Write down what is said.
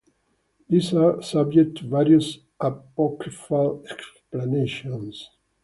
These are subject to various apocryphal explanations.